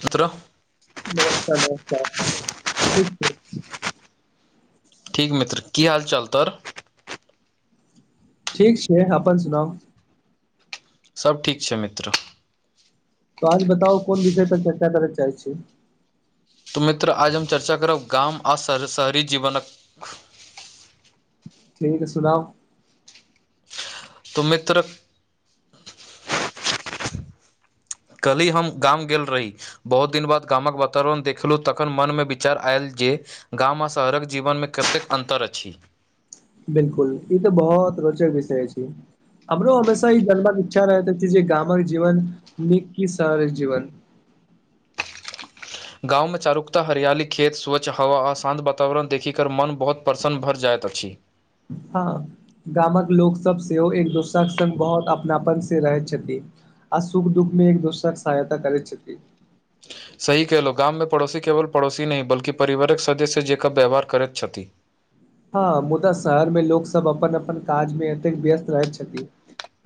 तत्र [unintelligible] नमस्कार नमस्कार, ठीक छै। ठीक मित्र, की हाल चाल तोहर? ठीक छै, अपन सुनाउ? सभ ठीक छै मित्र। तो आज बताउ कोन विषय पर चर्चा करैत चाहैत छी। तऽ मित्र आज हम चर्चा करब गाम आ शहर शहरी जीवनक ठीक सुनाउ तऽ मित्र कली हम गाम गेल रही बहुत दिन बाद गामक वातावरण देखलहुँ तखन मनमे विचार आयल जे गाम आ शहरक जीवनमे कतेक अन्तर अछि बिल्कुल ई तऽ बहुत रोचक विषय छै हमरो हमेशा ई जानवा इच्छा रहैत अछि जे कि गामक जीवन नीक की शहरक जीवन गाँवमे चारुकता हरियाली खेत स्वच्छ हवा आ शान्त वातावरण देखि कर मन बहुत प्रसन्न भर जाइत अछि हँ गामक लोक सब सेहो एक दोसरा के संग बहुत अपनापन से रहैत छथिन आ सुख दुःख मे एक दोसराक सहायता करैत छथिन सही कहलहुं गाममे पड़ोसी केवल पड़ोसी नहि बल्कि परिवारक सदस्य जेका व्यवहार करैत छथि हँ मुदा शहर मे लोक सब अपन अपन काज मे एतेक व्यस्त रहैत छथिन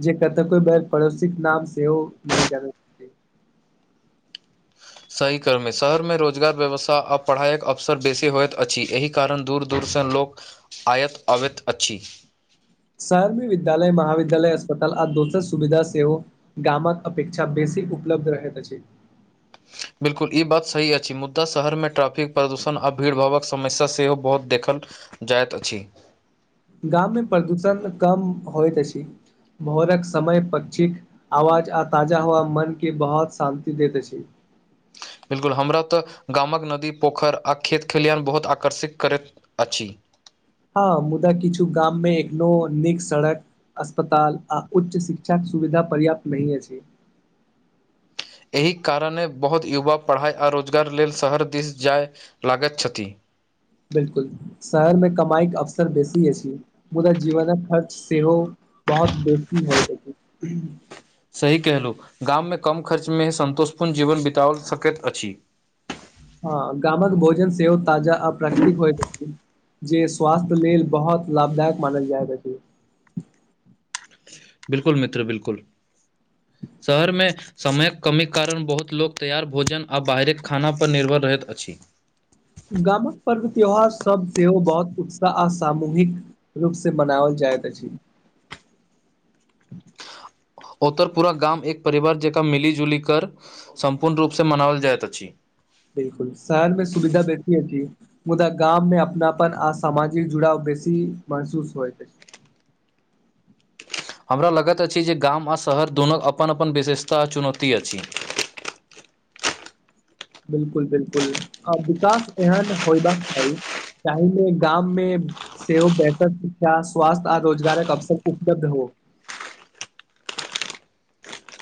जे कतेको बेर पड़ोसी के नाम सेहो नहि जानत सही कर्ममे शहरमे रोजगार व्यवस्था आ पढ़ाइक अवसर बेसी होयइत अछि एहि कारण दूर दूरसँ लोक आयत अबैत अछि शहरमे विद्यालय महाविद्यालय अस्पताल आ दोसर सुविधा सेहो गामक अपेक्षा बेसी उपलब्ध रहैत अछि बिल्कुल ई बात सही अछि मुद्दा शहरमे ट्रैफिक प्रदूषण आ भीड़ भावक समस्या सेहो बहुत देखल जाइत अछि गाम मे प्रदूषण कम होयत अछि भोरक समय पक्षी क आवाज आ ताजा हवा मन के बहुत शान्ति देत अछि बिल्कुल हमरा तऽ गामक नदी पोखरि आ खेत खलिहान बहुत आकर्षित करैत अछि हँ मुदा किछु गाममे एखनो नीक सड़क अस्पताल आ उच्च शिक्षाक सुविधा पर्याप्त नहि अछि एहि कारणे बहुत युवा पढ़ाइ आ रोजगार लेल शहर दिस जाय लागैत छथि बिल्कुल शहर मे कमाई के अवसर बेसी अछि मुदा जीवनक खर्च सेहो बहुत बेसी होय त सही कहलु गाममे कम खर्चमे सन्तोषपूर्ण जीवन बितावल सकैत अछि हँ गामक भोजन सेहो ताजा आ प्राकृतिक होयत अछि जे स्वास्थ्य लेल बहुत लाभदायक मानल जायत अछि बिल्कुल मित्र बिल्कुल शहरमे समयक कमी कारण बहुत लोक तैयार भोजन आ बाहरी खाना पर निर्भर रहैत अछि गामक पर्व त्योहार सब सेहो बहुत उत्साह आ सामूहिक रूप से मनावल जाइत अछि ओ तर पुरा गाम एक परिवार जेका मिलि जुलि कर सम्पूर्ण रूपसँ मनावल जाइत अछि बिल्कुल शहरमे सुविधा बेसी अछि मुदा गाममे अपनापन आ सामाजिक जुड़ाव बेसी महसूस होइत अछि हमरा लागैत अछि जे गाम आ शहर दुनू अपन अपन विशेषता आ चुनौती अछि बिल्कुल बिल्कुल आ विकास एहन होयबाक चाही ताहि ले गाममे से बेहतर शिक्षा स्वास्थ्य आ रोजगारक अवसर उपलब्ध हो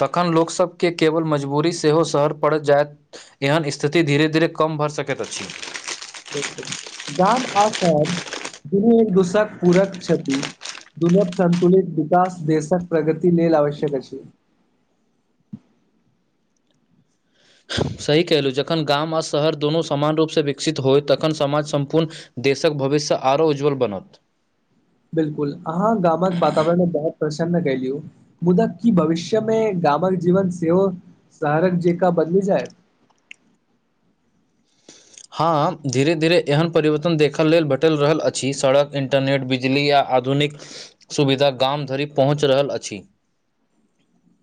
तखन लोकसभके केवल मजबूरी सेहो शहर पड़ि जाय एहन स्थिति धीरे धीरे कम भ‌ए सकैत अछि गाम आ शहर दुनू एक दूसरक पूरक छथि दुर्लभ संतुलित विकास देशक प्रगति लेल आवश्यक अछि सही कहलहुँ जखन आ शहर दुनू समान रूपसँ विकसित होय तखन समाज सम्पूर्ण देशक भविष्य आरो उज्ज्वल बनत बिल्कुल अहाँ गामक वातावरण मे बहुत प्रसन्न कलीयो मुदा की भविष्य मे गामक जीवन सेहो शहरक जेका बदल जाए हँ धीरे धीरे एहन परिवर्तन देखऽ लेल भेटल रहल अछि सड़क अन इन्टरनेट बिजली आ आधुनिक सुविधा गाम धरि पहुँच रहल अछि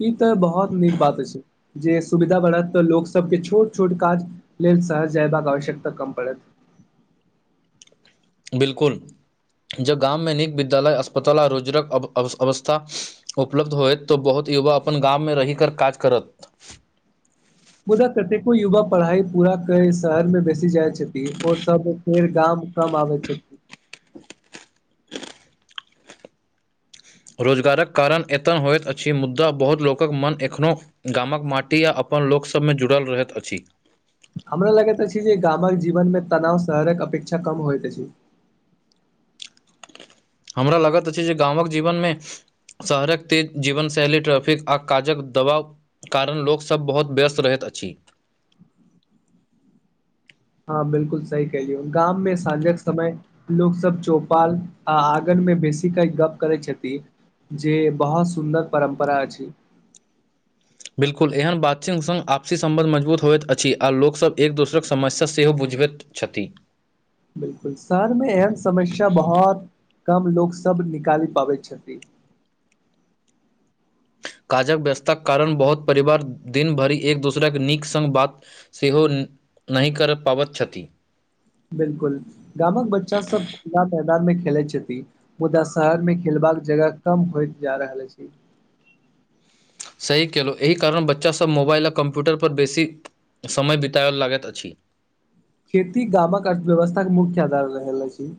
ई तऽ बहुत नीक बात अछि जे सुविधा बढ़त तऽ लोकसभके छोट छोट काज लेल शहर जयबाक आवश्यकता कम पड़त बिल्कुल ज़ गाम मे नीक विद्यालय अस्पताल आ रोजगारक अव अवस्था उपलब्ध होयत तऽ बहुत युवा अपन गाममे रहि कऽ काज करत [inaudible] मुदा कतेको युवा पढ़ाई पूरा कर शहर मे बसि जाइत छथिन ओ सब फेर गाम कम आबै छथि रोजगारक कारण एतऽ होइत अछि मुद्दा बहुत लोकक मन एखनो गामक माटी आ अपन लोकसभमे जुड़ल रहैत अछि हमरा लागैत अछि जे गामक जीवनमे तनाव शहरक अपेक्षा कम होइत अछि हमरा लागैत अछि जे गामक जीवन मे शहरक तेज जीवन शैली ट्रैफिक आ काजक दबाव कारण लोकसभ बहुत व्यस्त रहैत अछि हँ बिलकु सही कहल‌उहं गाम मे साँझक समय लोक सब चौपाल आ आंगन मे बैसी क गप करै छथि जे बहुत सुन्दर परम्परा अछि बिल्कुल एहन बात चीत संग आपसी समबन्ध मजबूत होइत अछि आ लोकसभब एक दोसरक समस्या सेहो बुझबैत क्षति बिलकुल शहरमे एहन समस्या बहुत कम लोको सब निकालि पाबै छथिन काजक व्यस्तताके कारण बहुत परिवार दिन भरि एक दोसराके नीक संग बात सेहो नहि कर पाबैत छथि बिलकुल गामक बच्चा सब खुला मैदान मे खेलैत छथि मुदा शहर मे खेलबाक जगह कम होइत जा रहल अछि सही केलहुँ एहि कारण बच्चासभ मोबाइल आ कम्प्यूटरपर बेसी समय बितएब लागैत अछि खेती गामक अर्थव्यवस्था के मुख्य आधार रहैल अछि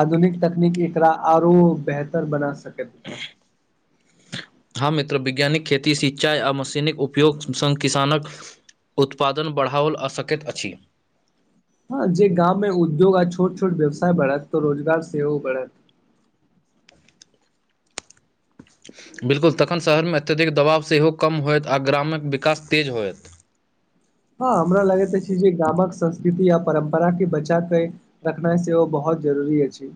आधुनिक तकनीक एकरा आरो बेहतर बना सकैत अछि [inaudible] हँ मित्र वैज्ञानिक खेती सिंचाई आ मशीन उपयोग सङ् किसानक उत्पादन बढ़ाओल आ सकैत अछि हँ जे गाम में उद्योग आ छोट छोट व्यवसाय बढ़त तऽ रोजगार सेहो बढ़त बिल्कुल तखन शहरमे अत्यधिक दबाव सेहो कम होयत आ ग्रामक विकास तेज होयत हँ हमरा लागैत अछि जे गामक संस्कृति आ परम्पराके बचाके रखनाइ सेहो बहुत जरूरी अछि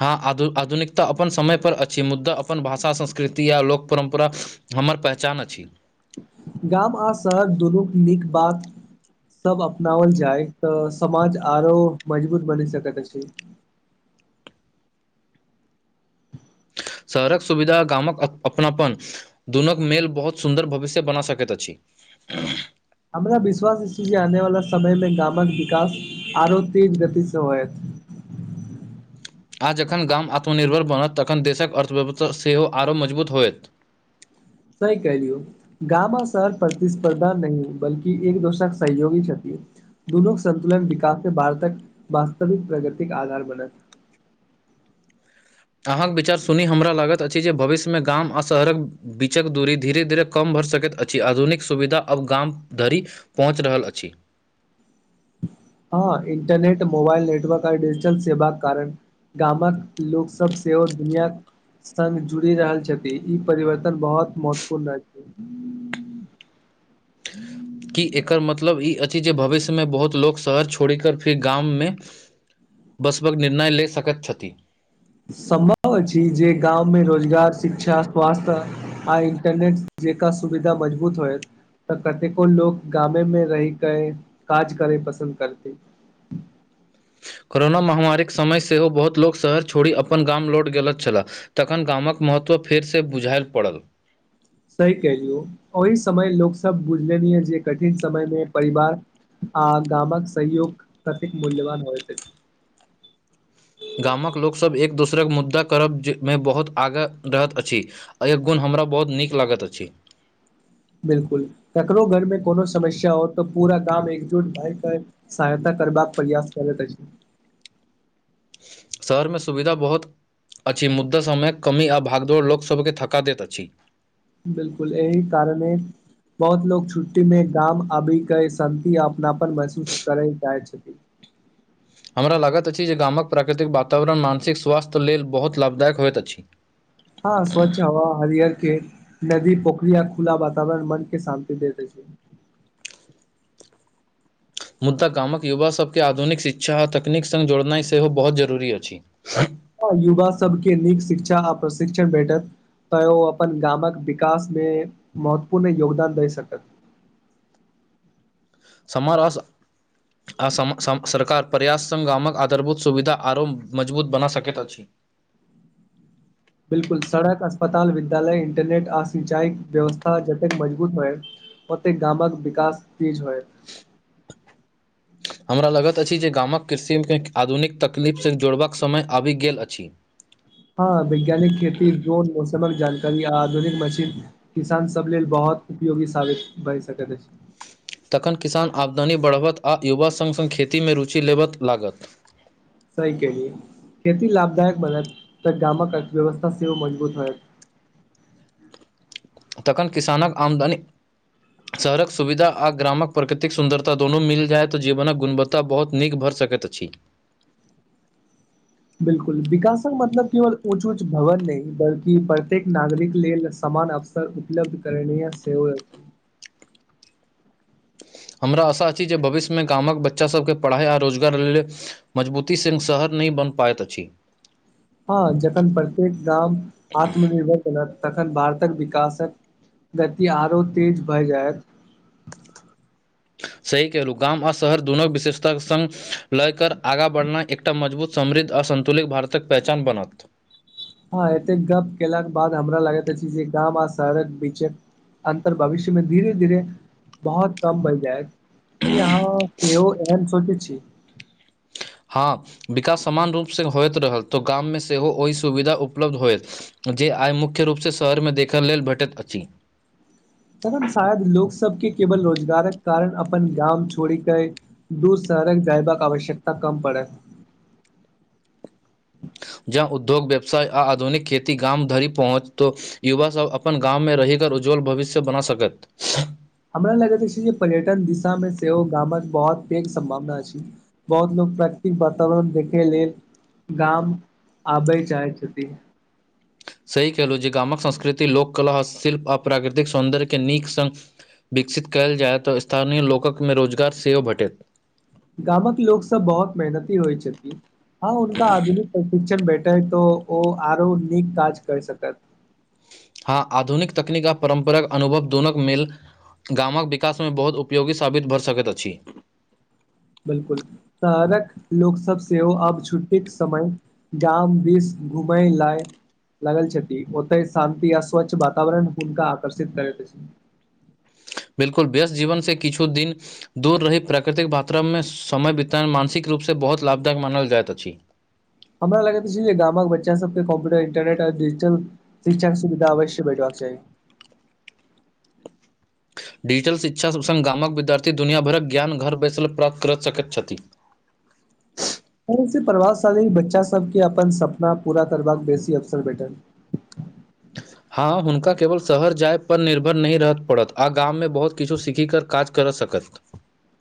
हँ आधु आधुनिकता अपन समयपर अछि मुद्दा अपन भाषा संस्कृति या लोक परम्परा हमर पहचान अछि गाम आ शहर दुनूक नीक बात सब अपनाओल जायत तऽ समाज आरो मजबूत बनि सकैत अछि शहरक सुविधा गामक अपनापन दुनूक मेल बहुत सुन्दर भविष्य बना सकैत अछि हमरा विश्वास अछि जे आनेवाला समय मे गामक विकास आरो तेज गति से होयत आ जखन गाम आत्मनिर्भर बनत तखन देशक अर्थव्यवस्था सेहो आरो मजबूत होयत सही कलियौ गाम आ शहर प्रतिस्पर्धा नहि बल्कि एक दोसरक सहयोगी छथि दुनू संतुलन विकास से भार तक वास्तविक प्रगति के आधार बनल अहाँक विचार सुनी हमरा लागैत अछि जे भविष्य मे गाम आ शहरक बीचक दूरी धीरे धीरे कम भऽ सकैत अछि आधुनिक सुविधा अब गाम धरि पहुँच रहल अछि हँ इंटरनेट मोबाइल नेटवर्क आ डिजिटल सेवा कारण गामक लोक सब सेहो ओर दुनिया संग जुड़ि रहल छथि ई परिवर्तन बहुत महत्वपूर्ण छै कि एकर मतलब ई अछि जे भविष्यमे बहुत लोक शहर छोड़ि कऽ फेर गाममे बसबक निर्णय ले सकैत छथि सम्भव अछि जे गाममे रोजगार शिक्षा स्वास्थ्य आ इंटरनेट जे का सुविधा मजबूत होएत तऽ कतेको लोकोग गामे मे रहि के काज करे पसन्द करते कोरोना महामारीक समय सेहो बहुत लोक शहर छोड़ि अपन गाम लौट गेल छलाह तखन गामक महत्व फेर से बुझायल पड़ल सही कलियौ ओहि समय लोक सब बुझले जे कठिन समय मे परिवार आ गामक सहयोग कतेक मूल्यवान होय गामक लोकसभब एक दोसरक मुद्दा करब जेमे बहुत आगाँ रहैत अछि एहि गुण हमरा बहुत नीक लागैत अछि बिलकुल ककरो घरमे कोनो समस्या होत तऽ पूरा गाम एकजुट भए क सहायता करबाक प्रयास करै त छै शहरमे सुविधा बहुत अछि मुद्दा सभमे कमी आ भागदौड़ लोकसभकेँ थका दैत अछि बिलकुल एहि कारणे बहुत लोग छुट्टी मे गाम आबिक के शान्ति अपनापन महसूस करय चाहै छथिन हमरा लागैत अछि जे गामक प्राकृतिक वातावरण मानसिक स्वास्थ्य लेल बहुत लाभदायक होइत अछि हँ स्वच्छ हवा हरियर खेत नदी पोखरि आ खुला वातावरण मन के शान्ति दे दै छै मुदा गामक युवा सभ के आधुनिक शिक्षा आ तकनीक सङ्ग जोड़नाइ सेहो बहुत जरूरी अछि ह [unintelligible] ह युवा सबके नीक शिक्षा आ प्रशिक्षण भेटत तऽं ओ अपन गामक विकास मे महत्वपूर्ण योगदान द सकत समर अ आ सरकार पर्याप्त सङ् गामक आधारभूत सुविधा आरो मजबूत बना सकैत अछि बिलकुल सड़क अस्पताल विद्यालय इंटरनेट आ सिंचाई व्यवस्था जतेक मजबूत होएत ओतेक गामक विकास तीज होय हमरा लगैत अछि जे गामक कृषि के आधुनिक तकलीफ से जोड़बाक समय आबि गेल अछि हँ वैज्ञानिक खेती जोन मौसमक जानकारी आ आधुनिक मशीन किसान सब लेल बहुत उपयोगी साबित बनि सकैत अछि तखन किसान आमदनी बढ़बत आ युवा सङ्ग सङ्ग खेतीमे रुचि लेबय लागत सही केलियै खेती लाभदायक बनत तऽ गामक अर्थव्यवस्था सेहो मजबूत होयत तखन किसानक आमदनी शहरक सुविधा आ ग्रामक प्रकृतिक सुन्दरता दुनू मिल जायऽ जीवनक गुणवत्ता तऽ बहुत नीक भरि सकैत अछि बिल्कुल विकासक मतलब केवल ऊँच ऊँच भवन नहि बल्कि प्रत्येक नागरिक लेल समान अवस सर उपलब्ध करने य सेव छै हमरा आशा अछि जे भविष्य मे गामक बच्चा सभके पढ़ाइ आ रोजगार लेल मजबूती सिन शहर नहि बन पायत अछी हँ जखन प्रत्येक गाम आत्मनिर्भर तखन भारतक विकासक गति आरो तेज भऽ जायत सही कहलूँ गाम आ शहर दुनू विशेषता संग लयकर आगाँ बढ़ना एक एकटा मजबूत समृद्ध आसन्तुलित भारतक पहचान बनत हँ एते गप केलाक के बाद हमरा लागैत अछि जे गाँव आ शहरक बीचक अन्तर भविष्य मे धीरे धीरे बहुत कम बन जाय की अहाँ केओ एहन सोचै छी हँ विकास समान रूपसँ होइत रहल तऽ गाममे सेहो ओहि सुविधा उपलब्ध होयत जे आइ मुख्य रूप से शहर मे देखय लेल भेटैत अछि तखन शायद लोक सबके केवल रोजगारक कारण अपन गाम छोड़ के दूर सहरक जाायबे आवश्यकता कम पड़त जह उद्योग व्यवसाय आ आधुनिक खेती गाम धरि पहुँचत युवा सभ अपन गामवमे रहि कर उज्ज्वल भविष्य बना सकैत हमरा लगैत अछि जे पर्यटन दिशा मे सेहो गामक बहुत पैघ सम्भावना छै बहुत लोक प्राकृतिक वातावरण देखे लेल गाम आबै चाहै छथिन सही कलहुँ जे गामक संस्कृति लोककला ह्त शिल्प आ प्राकृतिक सौन्दर्यके नीक सङ्ग विकसित कयल जाय तऽ स्थानीय लोकक मे रोजगार सेहो भेटत गामक लोक सब बहुत मेहनती होइ छथिन हँ उनका आधुनिक प्रशिक्षण भेठे ह तो ओ आरो नीक काज कर सकत हँ आधुनिक तकनीक आ परम्पराक अनुभव दोनोक मेल गामक विकासमे बहुत उपयोगी साबित भऽ सकैत अछि बिलकुल शहरक लोक सब सेहो आब छुट्टीके समय गाम दिस घुमय लए लागल छथि ओते शान्ति य स्वच्छ वातावरण हुनका आकर्षित करैत अछि बिलकुल व्यस्त जीवन से किछु दिन दूर रही प्राकृतिक वातावरण में समय वितरण मानसिक रूप से बहुत लाभदायक मानल जाइत अछि हमरा लगैत छै जे गामक बच्चा सबके कम्प्यूटर इंटरनेट आ डिजिटल शिक्षाक के सुविधा अवश्य भेटबाक चाही डिजिटल शिक्षा संग गामक विद्यार्थी दुनिँभरक ज्ञान घर बैसल प्राप्त करऽ सकैत छथि सँ प्रभावशाली बच्चा सबके अपन सपना पूरा करबाक बेसी अवसर भेठल हँ हुनका केवल शहर जाय पर निर्भर नी रहत पड़त आ गाँव में बहुत किछु सीखीक काज कर सकत